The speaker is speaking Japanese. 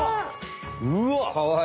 うわ！